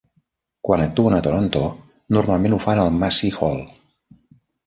Quan actuen a Toronto, normalment ho fan al Massey Hall.